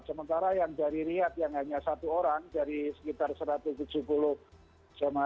sementara yang dari riyad yang hanya satu orang dari sekitar satu ratus tujuh puluh jemaah